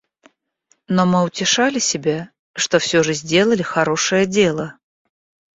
Но мы утешали себя, что всё же сделали хорошее дело.